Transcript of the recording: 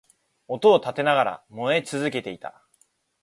音を立てながら燃え続けていた